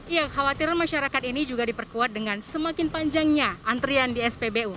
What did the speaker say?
ya khawatiran masyarakat ini juga diperkuat dengan semakin panjangnya antrian di spbu